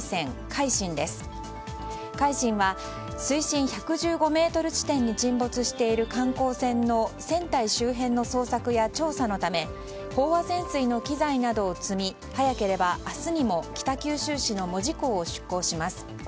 「海進」は水深１１５ｍ地点に沈没している観光船の船体周辺の捜索や調査のため飽和潜水の機材などを積み早ければ明日にも北九州市の門司港を出港します。